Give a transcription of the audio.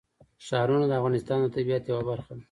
ښارونه د افغانستان د طبیعت یوه برخه ده.